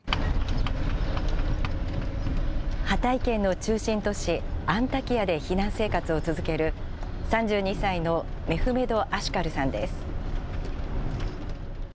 ハタイ県の中心都市アンタキヤで避難生活を続ける、３２歳のメフメド・アシュカルさんです。